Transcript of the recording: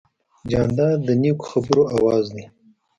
جانداد د نیکو خبرو آواز دی.